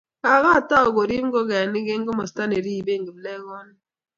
kakutou kuriib ngokaik eng' komosta ne riben kiplekonik